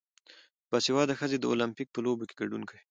باسواده ښځې د اولمپیک په لوبو کې ګډون کوي.